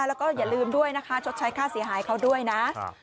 แล้วก็อย่าลืมด้วยนะคะชดใช้ค่าเสียหายเขาด้วยนะ